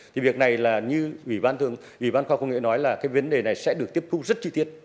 thì việc này là như ủy ban khoa công nghệ nói là cái vấn đề này sẽ được tiếp thu rất chi tiết